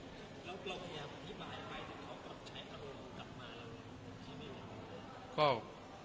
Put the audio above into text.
แล้วก็พยายามอธิบายไปถึงเขาก็ใช้อารมณ์กลับมาแล้ว